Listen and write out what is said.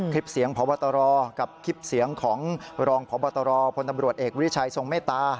คลิปเสียงพบตรกับคลิปเสียงของรองพบตรพลตำรวจเอกวิชัยทรงเมตตา